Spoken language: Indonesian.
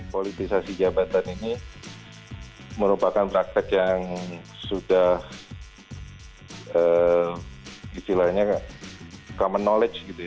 politisasi jabatan ini merupakan praktek yang sudah istilahnya common knowledge gitu ya